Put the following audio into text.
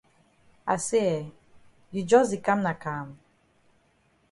I say eh, you jus di kam na kam?